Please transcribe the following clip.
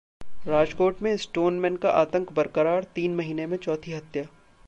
राजकोट में 'स्टोनमैन' का आतंक बरकरार, तीन महीने में चौथी हत्या